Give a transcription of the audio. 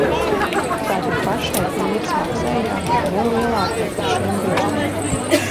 Tātad pašai īres maksai ir jābūt ne lielākai par šiem griestiem.